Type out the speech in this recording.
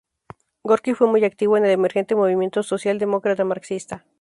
Gorki fue muy activo en el emergente movimiento socialdemócrata marxista.